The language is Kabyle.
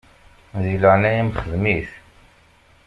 Di leɛnaya-m xdem-it.